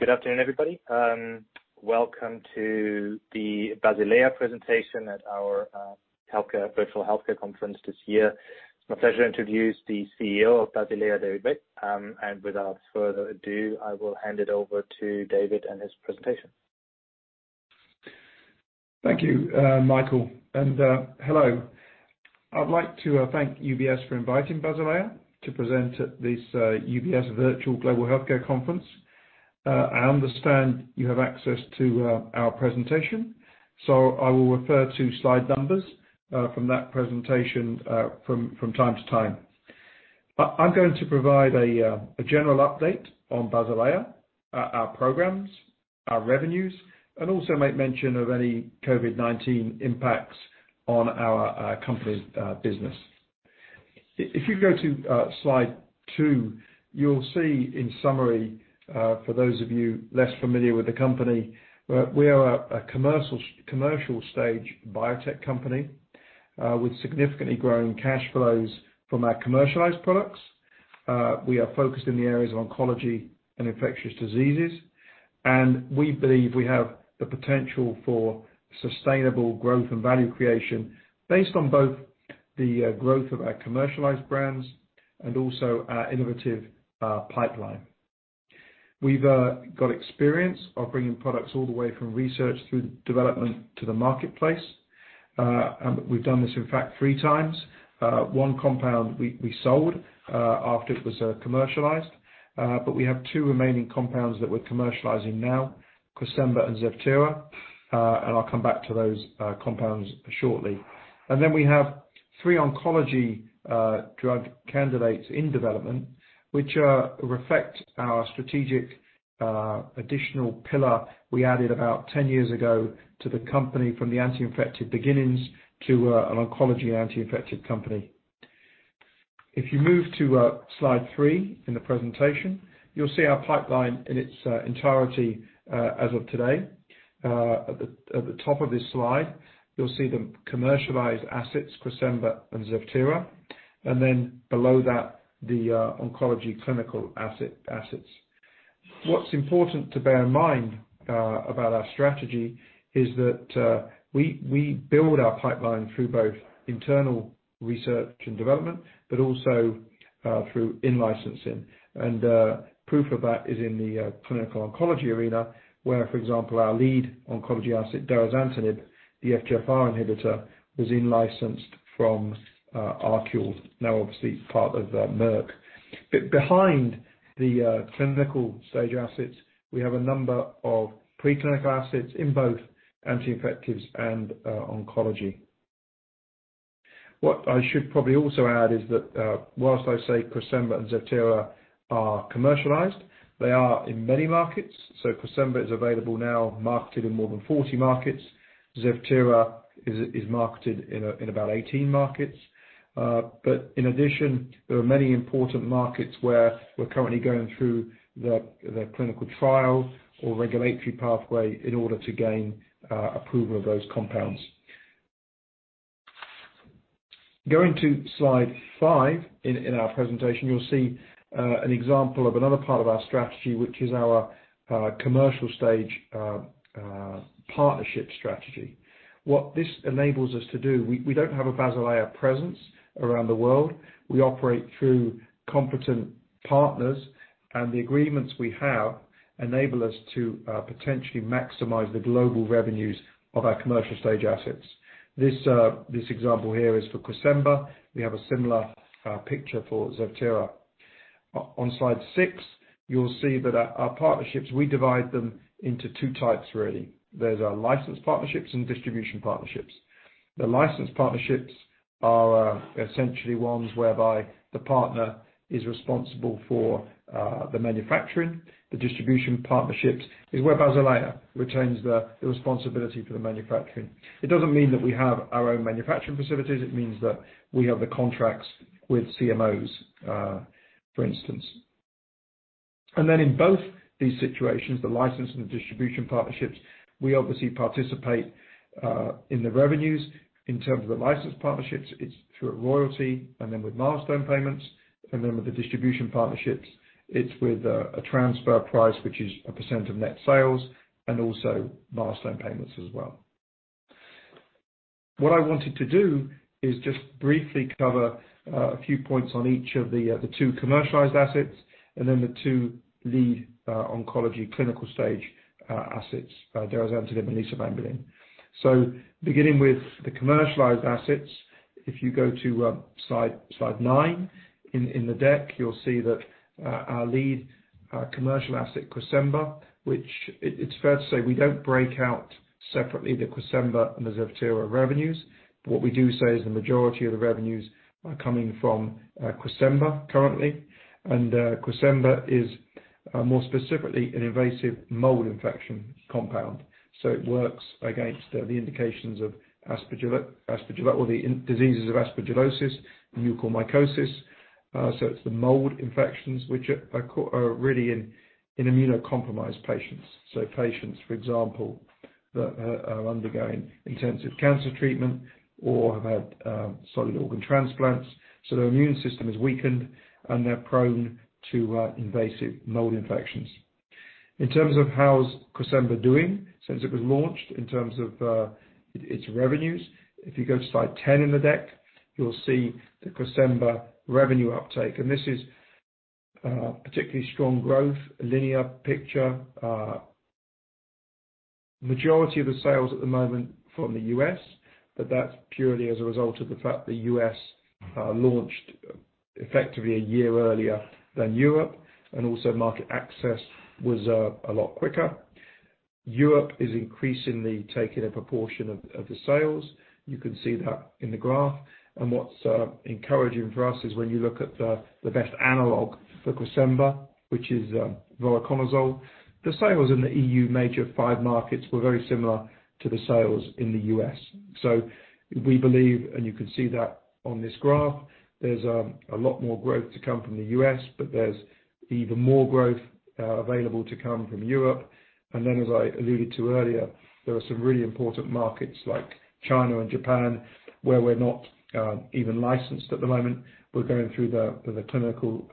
Good afternoon, everybody. Welcome to the Basilea presentation at our virtual healthcare conference this year. It's my pleasure to introduce the CEO of Basilea, David Veitch. Without further ado, I will hand it over to David and his presentation. Thank you, Michael, and hello. I'd like to thank UBS for inviting Basilea to present at this UBS Virtual Global Healthcare Conference. I understand you have access to our presentation. I will refer to slide numbers from that presentation from time to time. I'm going to provide a general update on Basilea, our programs, our revenues, and also make mention of any COVID-19 impacts on our company's business. If you go to slide two, you'll see in summary, for those of you less familiar with the company, we are a commercial-stage biotech company with significantly growing cash flows from our commercialized products. We are focused in the areas of oncology and infectious diseases. We believe we have the potential for sustainable growth and value creation based on both the growth of our commercialized brands and also our innovative pipeline. We've got experience of bringing products all the way from research through development to the marketplace. We've done this, in fact, three times. One compound we sold after it was commercialized. We have two remaining compounds that we're commercializing now, CRESEMBA and Zevtera, I'll come back to those compounds shortly. We have three oncology drug candidates in development, which reflect our strategic additional pillar we added about 10 years ago to the company from the anti-infective beginnings to an oncology anti-infective company. If you move to slide three in the presentation, you'll see our pipeline in its entirety as of today. At the top of this slide, you'll see the commercialized assets, CRESEMBA and Zevtera, below that, the oncology clinical assets. What's important to bear in mind about our strategy is that we build our pipeline through both internal research and development, but also through in-licensing. Proof of that is in the clinical oncology arena, where, for example, our lead oncology asset, derazantinib, the FGFR inhibitor, was in-licensed from ArQule, now obviously part of Merck. Behind the clinical stage assets, we have a number of preclinical assets in both anti-infectives and oncology. What I should probably also add is that whilst I say CRESEMBA and Zevtera are commercialized, they are in many markets. CRESEMBA is available now, marketed in more than 40 markets. Zevtera is marketed in about 18 markets. In addition, there are many important markets where we're currently going through the clinical trial or regulatory pathway in order to gain approval of those compounds. Going to slide five in our presentation, you'll see an example of another part of our strategy, which is our commercial-stage partnership strategy. What this enables us to do, we don't have a Basilea presence around the world. We operate through competent partners. The agreements we have enable us to potentially maximize the global revenues of our commercial-stage assets. This example here is for CRESEMBA. We have a similar picture for Zevtera. On slide six, you'll see that our partnerships, we divide them into 2 types really. There's our license partnerships and distribution partnerships. The license partnerships are essentially ones whereby the partner is responsible for the manufacturing. The distribution partnerships is where Basilea retains the responsibility for the manufacturing. It doesn't mean that we have our own manufacturing facilities. It means that we have the contracts with CMOs, for instance. In both these situations, the license and the distribution partnerships, we obviously participate in the revenues. In terms of the license partnerships, it's through a royalty and then with milestone payments. With the distribution partnerships, it's with a transfer price, which is a % of net sales, and also milestone payments as well. What I wanted to do is just briefly cover a few points on each of the two commercialized assets and then the two lead oncology clinical-stage assets, derazantinib and lisavanbulin. Beginning with the commercialized assets, if you go to slide nine in the deck, you'll see that our lead commercial asset, CRESEMBA, which it's fair to say we don't break out separately the CRESEMBA and the Zevtera revenues. What we do say is the majority of the revenues are coming from CRESEMBA currently. CRESEMBA is more specifically an invasive mold infection compound. It works against the indications of the diseases of aspergillosis, mucormycosis. It's the mold infections which are really in immunocompromised patients. Patients, for example, that are undergoing intensive cancer treatment or have had solid organ transplants. Their immune system is weakened, and they're prone to invasive mold infections. In terms of how's CRESEMBA doing since it was launched in terms of its revenues. If you go to slide 10 in the deck, you'll see the CRESEMBA revenue uptake, and this is particularly strong growth, a linear picture. Majority of the sales at the moment from the U.S., but that's purely as a result of the fact the U.S. launched effectively a year earlier than Europe, and also market access was a lot quicker. Europe is increasingly taking a proportion of the sales. You can see that in the graph. What's encouraging for us is when you look at the best analog for CRESEMBA, which is voriconazole, the sales in the EU major five markets were very similar to the sales in the U.S. We believe, and you can see that on this graph, there's a lot more growth to come from the U.S., but there's even more growth available to come from Europe. As I alluded to earlier, there are some really important markets like China and Japan where we're not even licensed at the moment. We're going through the clinical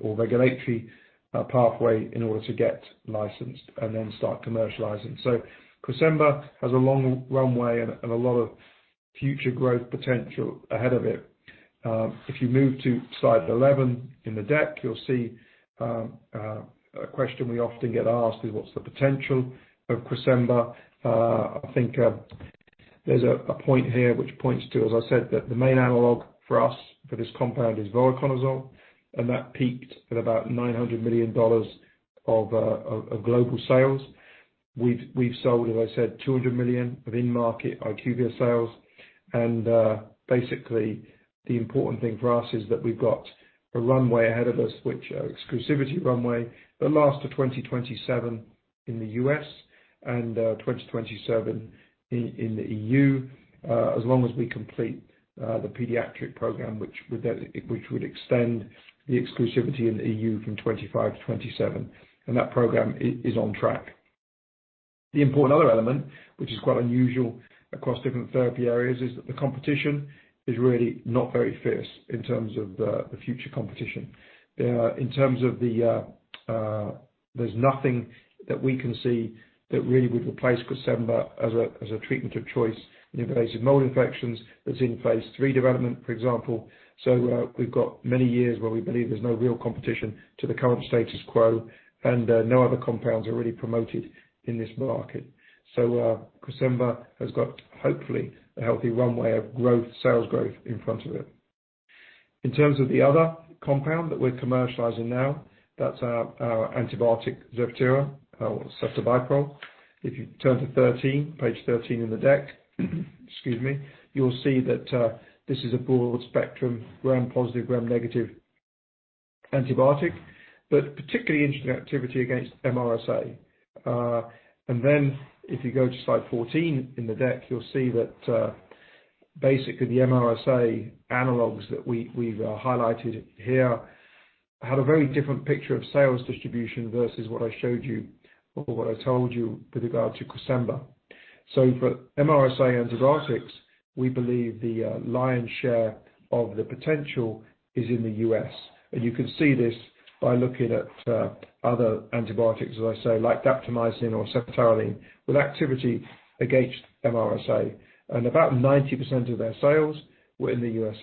or regulatory pathway in order to get licensed and then start commercializing. CRESEMBA has a long runway and a lot of future growth potential ahead of it. If you move to slide 11 in the deck, you'll see a question we often get asked is, "What's the potential of CRESEMBA?" I think there's a point here which points to, as I said, that the main analog for us for this compound is voriconazole, and that peaked at about CHF 900 million of global sales. We've sold, as I said, 200 million of in-market IQVIA sales. Basically, the important thing for us is that we've got a runway ahead of us, exclusivity runway, that lasts to 2027 in the U.S. and 2027 in the EU as long as we complete the pediatric program, which would extend the exclusivity in the EU from 2025 to 2027. That program is on track. The important other element, which is quite unusual across different therapy areas, is that the competition is really not very fierce in terms of the future competition. In terms of there's nothing that we can see that really would replace CRESEMBA as a treatment of choice in invasive mold infections that's in phase III development, for example. We've got many years where we believe there's no real competition to the current status quo, and no other compounds are really promoted in this market. CRESEMBA has got, hopefully, a healthy runway of sales growth in front of it. In terms of the other compound that we're commercializing now, that's our antibiotic, Zevtera or ceftobiprole. If you turn to page 13 in the deck, you will see that this is a broad-spectrum gram-positive, gram-negative antibiotic, but particularly interesting activity against MRSA. If you go to slide 14 in the deck, you'll see that basically the MRSA analogs that we've highlighted here had a very different picture of sales distribution versus what I showed you or what I told you with regard to CRESEMBA. For MRSA antibiotics, we believe the lion's share of the potential is in the U.S. You can see this by looking at other antibiotics, as I say, like daptomycin or ceftaroline with activity against MRSA. About 90% of their sales were in the U.S.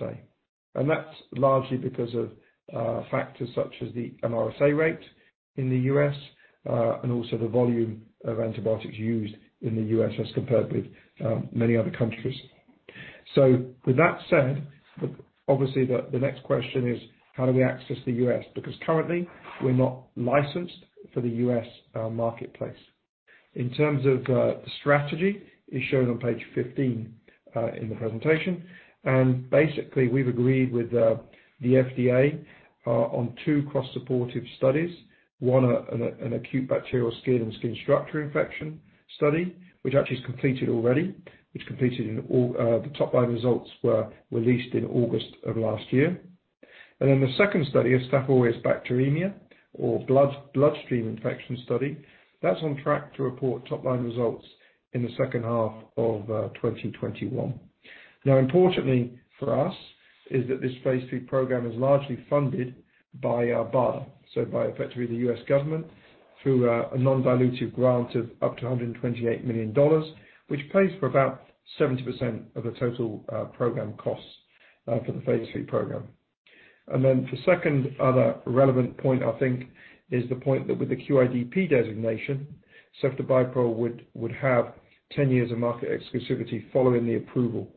That's largely because of factors such as the MRSA rate in the U.S. and also the volume of antibiotics used in the U.S. as compared with many other countries. With that said, obviously the next question is how do we access the U.S.? Because currently, we're not licensed for the U.S. marketplace. In terms of the strategy, is shown on page 15 in the presentation. Basically, we've agreed with the FDA on two cross-supportive studies. One, an acute bacterial skin and skin structure infection study, which actually is completed already. The top line results were released in August of last year. The second study is Staph aureus bacteremia or bloodstream infection study. That's on track to report top-line results in the second half of 2021. Now, importantly for us is that this phase III program is largely funded by BARDA, so by effectively the U.S. government through a non-dilutive grant of up to CHF 128 million, which pays for about 70% of the total program cost for the phase III program. For second other relevant point, I think, is the point that with the QIDP designation, ceftobiprole would have 10 years of market exclusivity following the approval.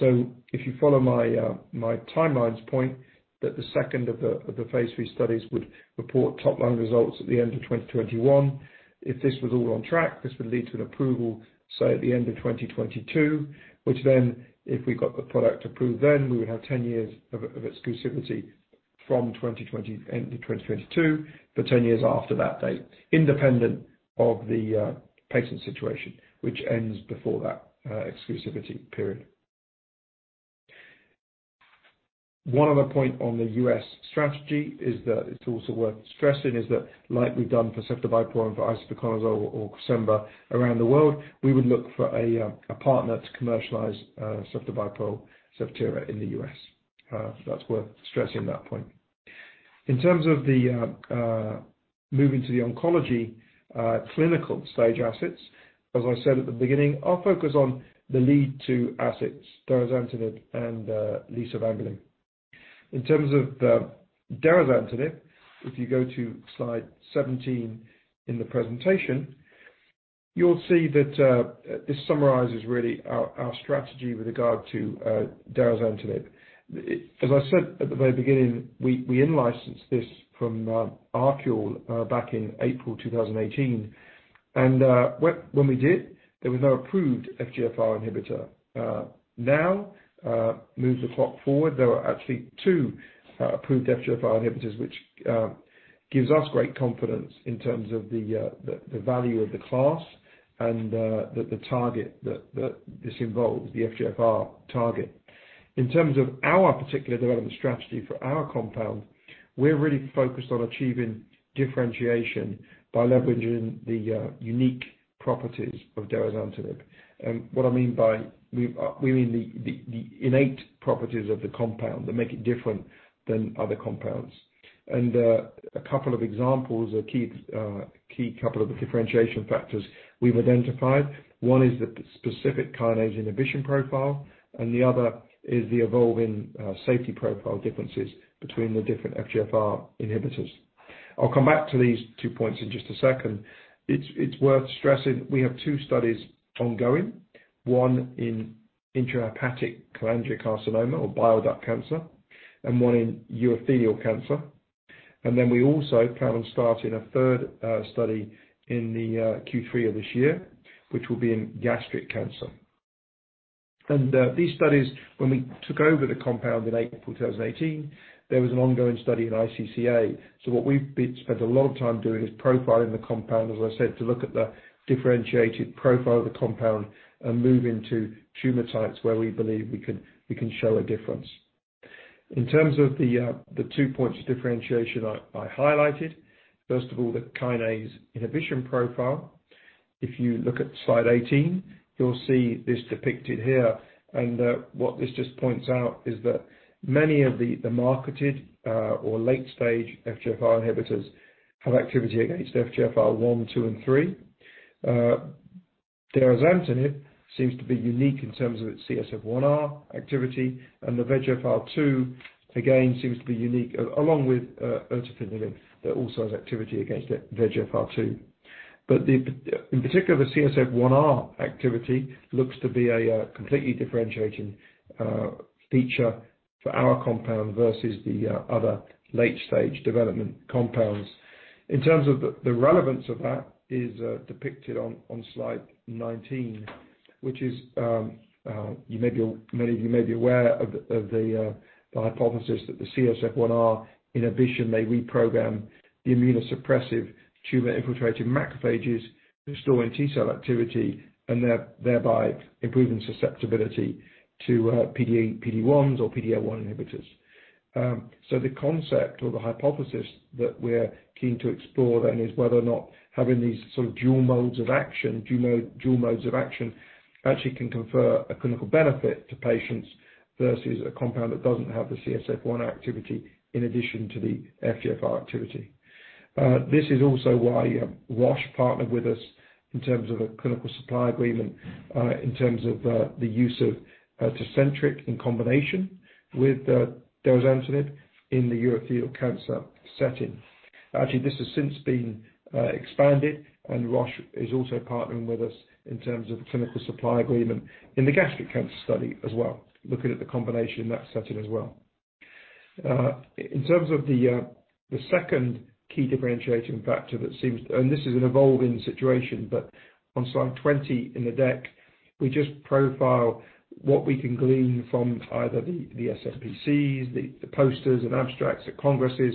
If you follow my timelines point, that the second of the phase III studies would report top-line results at the end of 2021. If this was all on track, this would lead to an approval, say, at the end of 2022, which then if we got the product approved then, we would have 10 years of exclusivity from end of 2022 for 10 years after that date, independent of the patent situation, which ends before that exclusivity period. One other point on the U.S. strategy is that it's also worth stressing is that like we've done for ceftobiprole and for isavuconazole or CRESEMBA around the world, we would look for a partner to commercialize ceftobiprole, Zevtera in the U.S. That's worth stressing that point. In terms of moving to the oncology clinical stage assets, as I said at the beginning, I'll focus on the lead two assets, derazantinib and lisavanbulin. In terms of the derazantinib, if you go to slide 17 in the presentation, you'll see that this summarizes really our strategy with regard to derazantinib. As I said at the very beginning, we in-licensed this from ArQule back in April 2018, and when we did, there was no approved FGFR inhibitor. Now, move the clock forward, there are actually two approved FGFR inhibitors, which gives us great confidence in terms of the value of the class and the target that this involves, the FGFR target. In terms of our particular development strategy for our compound, we're really focused on achieving differentiation by leveraging the unique properties of derazantinib. What I mean by, we mean the innate properties of the compound that make it different than other compounds. A couple of examples are key couple of the differentiation factors we've identified. One is the specific kinase inhibition profile, and the other is the evolving safety profile differences between the different FGFR inhibitors. I'll come back to these two points in just a second. It's worth stressing, we have two studies ongoing, one in intrahepatic cholangiocarcinoma or bile duct cancer, and one in urothelial cancer. We also plan on starting a third study in the Q3 of this year, which will be in gastric cancer. These studies, when we took over the compound in April 2018, there was an ongoing study in iCCA. What we've been spent a lot of time doing is profiling the compound, as I said, to look at the differentiated profile of the compound and move into tumor types where we believe we can show a difference. In terms of the two points of differentiation I highlighted, first of all, the kinase inhibition profile. If you look at slide 18, you'll see this depicted here, and what this just points out is that many of the marketed or late-stage FGFR inhibitors have activity against FGFR 1, 2, and 3. Derazantinib seems to be unique in terms of its CSF1R activity, and the FGFR2, again, seems to be unique, along with erdafitinib, that also has activity against the FGFR2. In particular, the CSF1R activity looks to be a completely differentiating feature for our compound versus the other late-stage development compounds. In terms of the relevance of that is depicted on slide 19, which is, many of you may be aware of the hypothesis that the CSF1R inhibition may reprogram the immunosuppressive tumor-infiltrating macrophages, restoring T-cell activity, and thereby improving susceptibility to PD-1s or PD-L1 inhibitors. The concept or the hypothesis that we're keen to explore then is whether or not having these sort of dual modes of action actually can confer a clinical benefit to patients versus a compound that doesn't have the CSF1 activity in addition to the FGFR activity. This has since been expanded, and Roche is also partnering with us in terms of a clinical supply agreement, in terms of the use of TECENTRIQ in combination with derazantinib in the urothelial cancer setting. This has since been expanded, and Roche is also partnering with us in terms of clinical supply agreement in the gastric cancer study as well, looking at the combination in that setting as well. In terms of the second key differentiating factor that seems, and this is an evolving situation, on slide 20 in the deck, we just profile what we can glean from either the SmPCs, the posters and abstracts at congresses,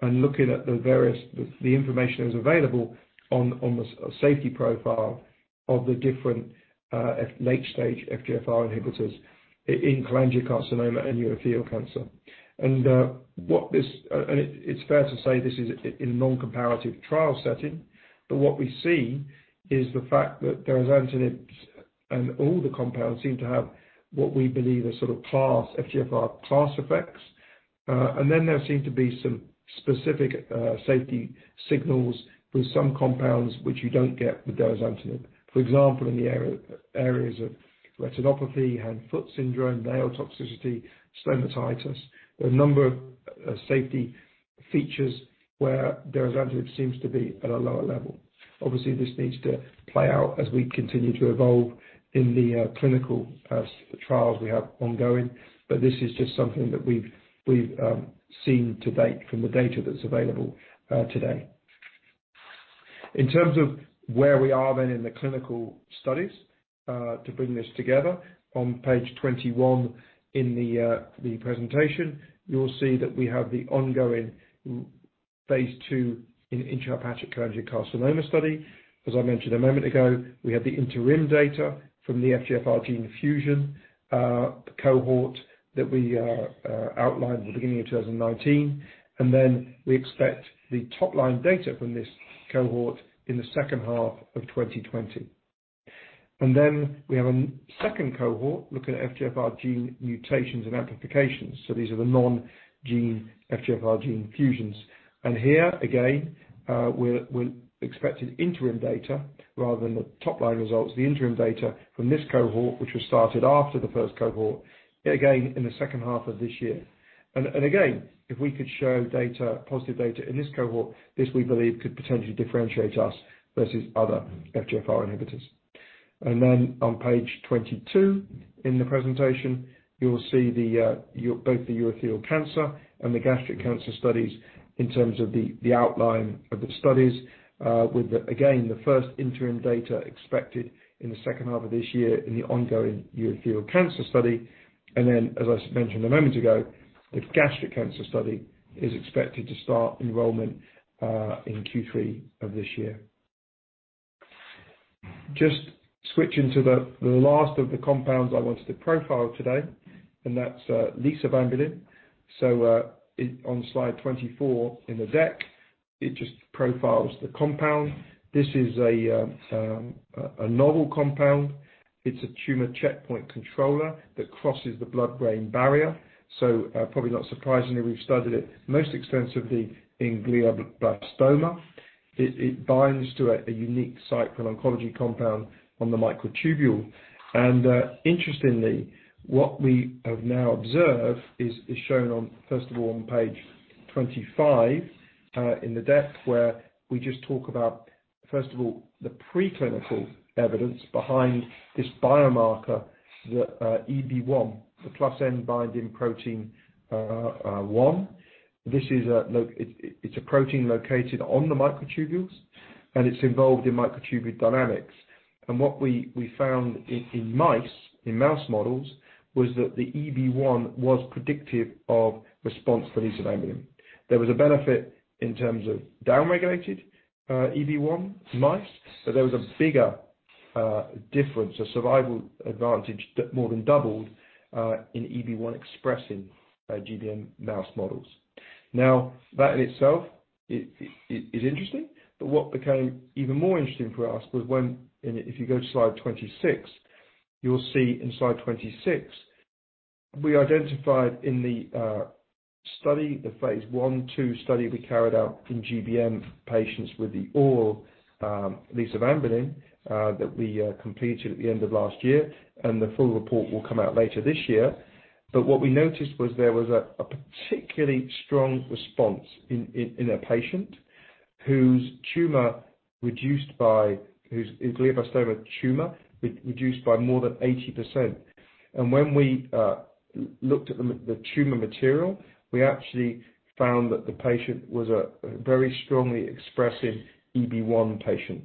and looking at the various, the information that was available on the safety profile of the different late-stage FGFR inhibitors in cholangiocarcinoma and urothelial cancer. It's fair to say this is in a non-comparative trial setting. What we see is the fact that derazantinib and all the compounds seem to have what we believe are sort of class, FGFR class effects. There seem to be some specific safety signals with some compounds which you don't get with derazantinib. For example, in the areas of retinopathy, hand-foot syndrome, nail toxicity, stomatitis. There are a number of safety features where derazantinib seems to be at a lower level. Obviously, this needs to play out as we continue to evolve in the clinical trials we have ongoing, but this is just something that we've seen to date from the data that is available today. In terms of where we are then in the clinical studies, to bring this together, on page 21 in the presentation, you will see that we have the ongoing phase II in intrahepatic cholangiocarcinoma study. As I mentioned a moment ago, we have the interim data from the FGFR gene fusion cohort that we outlined at the beginning of 2019, and then we expect the top-line data from this cohort in the second half of 2020. We have a second cohort looking at FGFR gene mutations and amplifications. These are the non-FGFR gene fusions. Here, again, we're expecting interim data rather than the top-line results, the interim data from this cohort, which was started after the first cohort, again, in the second half of this year. Again, if we could show positive data in this cohort, this, we believe, could potentially differentiate us versus other FGFR inhibitors. On page 22 in the presentation, you will see both the urothelial cancer and the gastric cancer studies in terms of the outline of the studies with, again, the first interim data expected in the second half of this year in the ongoing urothelial cancer study. As I mentioned a moment ago, the gastric cancer study is expected to start enrollment in Q3 of this year. Just switching to the last of the compounds I wanted to profile today, and that's lisavanbulin. On slide 24 in the deck, it just profiles the compound. This is a novel compound. It's a tumor checkpoint controller that crosses the blood-brain barrier. Probably not surprisingly, we've studied it most extensively in glioblastoma. It binds to a unique site for an oncology compound on the microtubule. Interestingly, what we have now observed is shown, first of all, on page 25 in the deck, where we just talk about, first of all, the pre-clinical evidence behind this biomarker, the EB1, the plus-end binding protein 1. It's a protein located on the microtubules, and it's involved in microtubule dynamics. What we found in mice, in mouse models, was that the EB1 was predictive of response to lisavanbulin. There was a benefit in terms of down-regulated EB1 mice, but there was a bigger difference, a survival advantage that more than doubled in EB1-expressing GBM mouse models. That in itself is interesting, but what became even more interesting for us was when, if you go to slide 26, you will see in slide 26, we identified in the study, the phase I, II study we carried out in GBM patients with the oral lisavanbulin that we completed at the end of last year, and the full report will come out later this year. What we noticed was there was a particularly strong response in a patient whose glioblastoma tumor reduced by more than 80%. When we looked at the tumor material, we actually found that the patient was a very strongly expressive EB1 patient.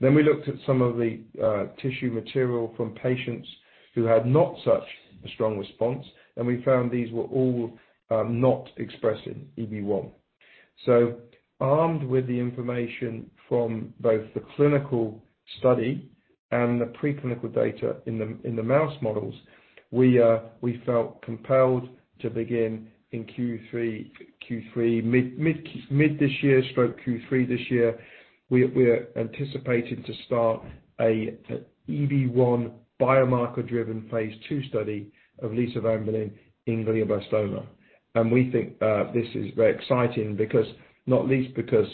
We looked at some of the tissue material from patients who had not such a strong response, and we found these were all not expressing EB1. Armed with the information from both the clinical study and the pre-clinical data in the mouse models, we felt compelled to begin in Q3, mid this year/Q3 this year. We are anticipating to start an EB1 biomarker-driven phase II study of lisavanbulin in glioblastoma. We think this is very exciting, not least because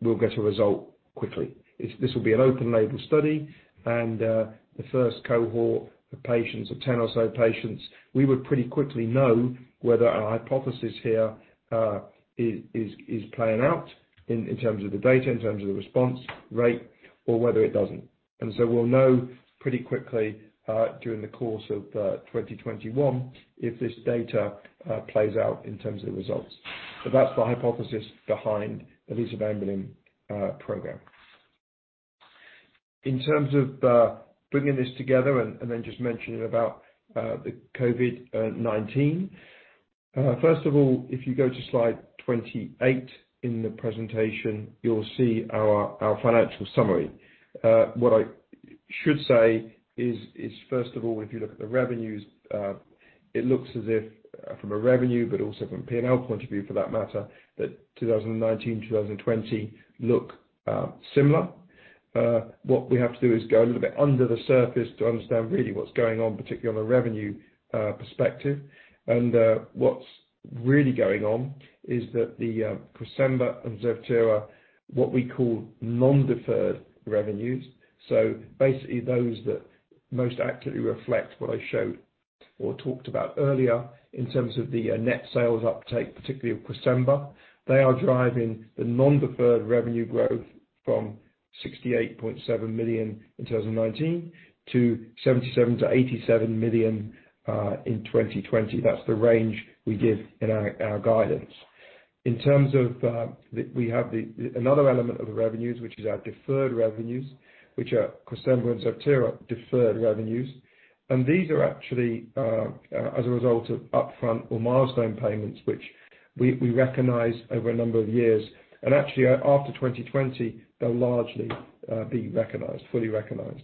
we'll get a result quickly. This will be an open label study, and the first cohort of patients, of 10 or so patients, we would pretty quickly know whether our hypothesis here is playing out in terms of the data, in terms of the response rate, or whether it doesn't. We'll know pretty quickly during the course of 2021 if this data plays out in terms of the results. That's the hypothesis behind the lisavanbulin program. In terms of bringing this together and then just mentioning about the COVID-19. First of all, if you go to slide 28 in the presentation, you will see our financial summary. What I should say is, first of all, if you look at the revenues, it looks as if from a revenue, but also from a P&L point of view for that matter, that 2019, 2020 look similar. What we have to do is go a little bit under the surface to understand really what's going on, particularly on a revenue perspective. What's really going on is that the CRESEMBA and Zevtera, what we call non-deferred revenues, so basically those that most accurately reflect what I showed or talked about earlier in terms of the net sales uptake, particularly of CRESEMBA. They are driving the non-deferred revenue growth from 68.7 million in 2019 to 77 million-87 million in 2020. That's the range we give in our guidance. We have another element of the revenues, which is our deferred revenues, which are CRESEMBA and Zevtera deferred revenues. These are actually as a result of upfront or milestone payments, which we recognize over a number of years. Actually, after 2020, they'll largely be recognized, fully recognized.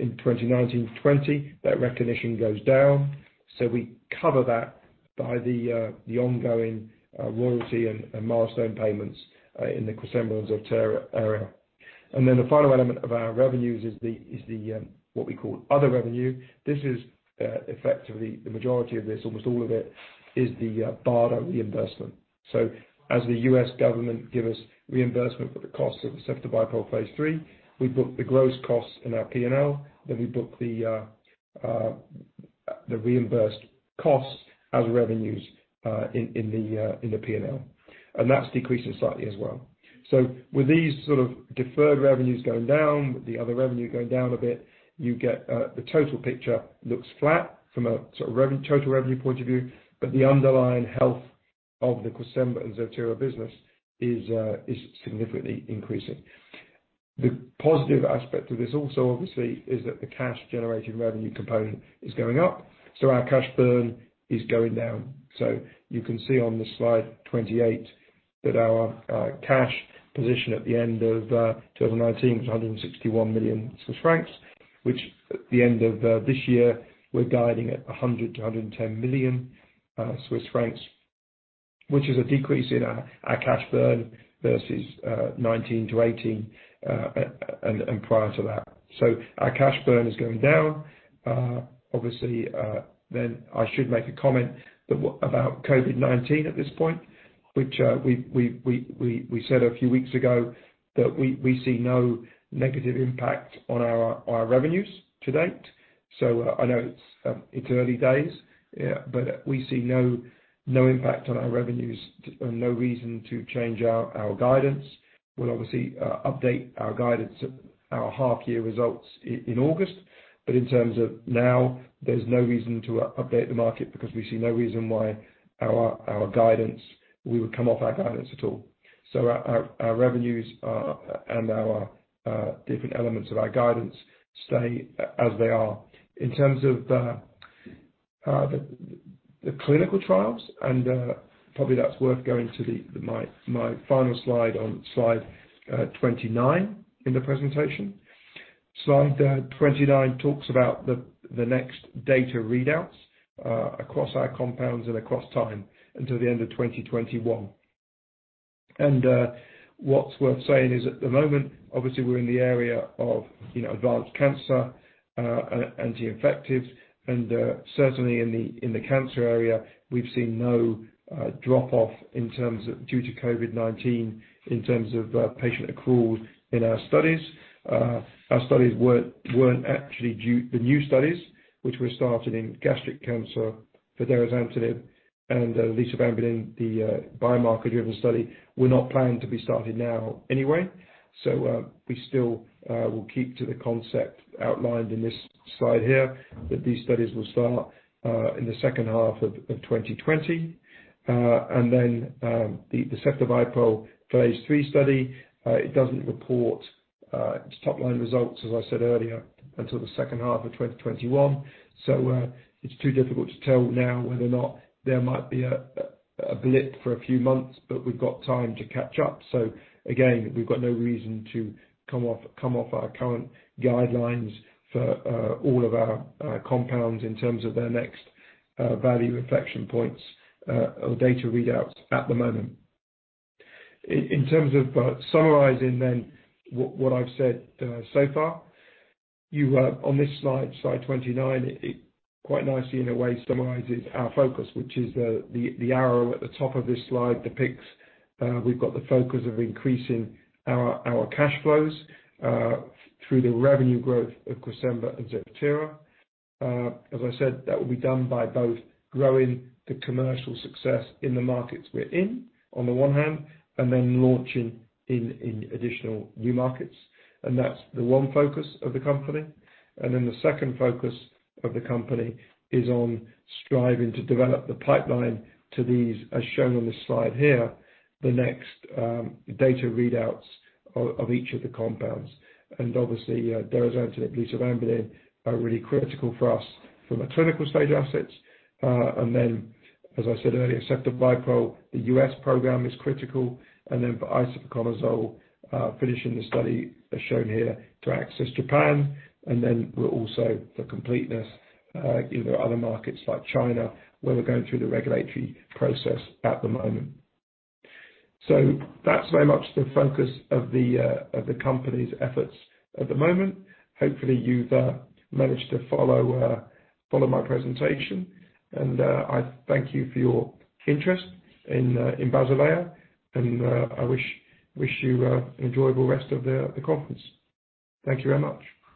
In 2019, 2020, that recognition goes down. We cover that by the ongoing royalty and milestone payments in the CRESEMBA and Zevtera area. The final element of our revenues is what we call other revenue. This is effectively the majority of this, almost all of it, is the BARDA reimbursement. As the U.S. government give us reimbursement for the cost of the ceftobiprole phase III, we book the gross costs in our P&L, then we book the reimbursed costs as revenues in the P&L. That's decreasing slightly as well. With these sort of deferred revenues going down, with the other revenue going down a bit, you get the total picture looks flat from a sort of total revenue point of view, but the underlying health of the CRESEMBA and Zevtera business is significantly increasing. The positive aspect of this also, obviously, is that the cash generating revenue component is going up, so our cash burn is going down. You can see on the slide 28 that our cash position at the end of 2019 was 161 million Swiss francs, which at the end of this year, we're guiding at 100 million to 110 million Swiss francs, which is a decrease in our cash burn versus 2019 to 2018, and prior to that. Our cash burn is going down. I should make a comment about COVID-19 at this point, which we said a few weeks ago that we see no negative impact on our revenues to date. I know it's early days, we see no impact on our revenues and no reason to change our guidance. We'll obviously update our guidance at our half-year results in August. In terms of now, there's no reason to update the market because we see no reason why we would come off our guidance at all. Our different elements of our guidance stay as they are. In terms of the clinical trials, probably that's worth going to my final slide on slide 29 in the presentation. Slide 29 talks about the next data readouts across our compounds and across time until the end of 2021. What's worth saying is at the moment, obviously, we're in the area of advanced cancer, anti-infectives, and certainly in the cancer area, we've seen no drop-off due to COVID-19 in terms of patient accrual in our studies. Our studies weren't actually. The new studies, which were started in gastric cancer for derazantinib and lisavanbulin, the biomarker-driven study, were not planned to be started now anyway. We still will keep to the concept outlined in this slide here, that these studies will start in the second half of 2020. The ceftobiprole phase III study, it doesn't report its top-line results, as I said earlier, until the second half of 2021. It's too difficult to tell now whether or not there might be a blip for a few months, but we've got time to catch up. Again, we've got no reason to come off our current guidelines for all of our compounds in terms of their next value inflection points or data readouts at the moment. In terms of summarizing what I've said so far, on this slide 29, it quite nicely in a way summarizes our focus, which is the arrow at the top of this slide depicts we've got the focus of increasing our cash flows through the revenue growth of CRESEMBA and Zevtera. As I said, that will be done by both growing the commercial success in the markets we're in on the one hand, and launching in additional new markets. That's the one focus of the company. The second focus of the company is on striving to develop the pipeline to these, as shown on this slide here, the next data readouts of each of the compounds. Obviously, derazantinib, lisavanbulin are really critical for us from a clinical stage assets. As I said earlier, ceftobiprole, the U.S. program is critical. For isavuconazole, finishing the study as shown here to access Japan. We're also for completeness in other markets like China, where we're going through the regulatory process at the moment. That's very much the focus of the company's efforts at the moment. Hopefully, you've managed to follow my presentation. I thank you for your interest in Basilea, and I wish you an enjoyable rest of the conference. Thank you very much.